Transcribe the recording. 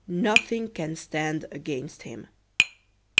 Nothing can stand against him.